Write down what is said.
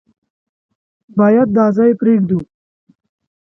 بايد دا ځای پرېږدو.